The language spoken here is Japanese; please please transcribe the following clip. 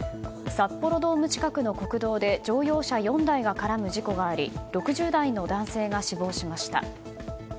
札幌ドーム近くの国道で乗用車４台が絡む事故があり６０代の男性が死亡しました。